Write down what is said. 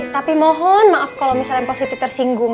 tapi mohon maaf kalau misalnya pak siti tersinggung